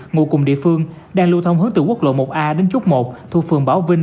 ngụ cùng địa phương đang lưu thông hướng từ quốc lộ một a đến chốt một thuộc phường bảo vinh